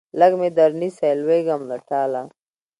لږ مې درنیسئ لوېږم له ټاله